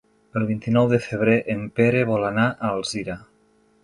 El vint-i-nou de febrer en Pere vol anar a Alzira.